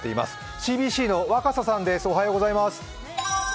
ＣＢＣの若狭さんです。